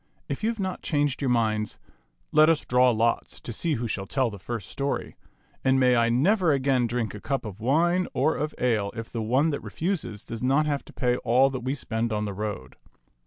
If you have not changed your minds, let us draw lots to see who shall tell the first story ; and may I never again drink a cup of wine or of ale if the one that refuses does not have to pay all that we spend on the road.